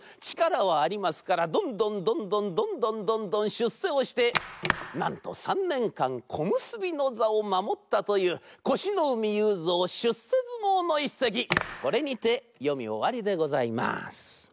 ちからはありますからどんどんどんどんどんどんどんどんしゅっせをしてなんと３ねんかんこむすびのざをまもったというこしのうみゆうぞうしゅっせずもうのいっせきこれにてよみおわりでございます。